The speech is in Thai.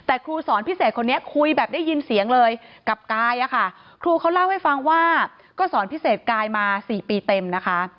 แต่ครูสอนพิเศษคนนี้คุยแบบได้ยินเสียงเลยกับกายอะค่ะครูเขาเล่าให้ฟังว่าก็สอนพิเศษกายมา๔ปีเต็มนะคะ